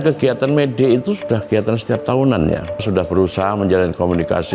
kegiatan media itu sudah kegiatan setiap tahunannya sudah berusaha menjalankan komunikasi